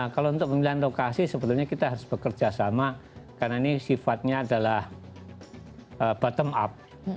kalau untuk pemilihan lokasi sebetulnya kita harus bekerja sama karena ini sifatnya adalah bottom up